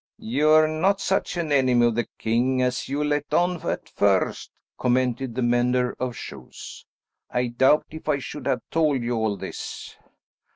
"You're not such an enemy of the king as you let on at first," commented the mender of shoes. "I doubt if I should have told you all this."